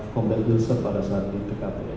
combat hilsa pada saat di dekat